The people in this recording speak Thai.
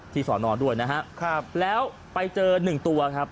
ที่ศนด้วยนะฮะแล้วไปเจอ๑ตัวครับ